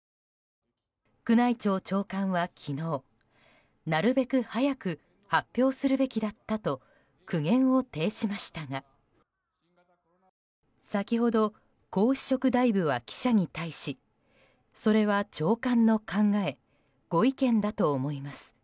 宮内庁長官は昨日、なるべく早く発表するべきだったと苦言を呈しましたが先ほど、皇嗣職大夫は記者に対しそれは長官の考えご意見だと思います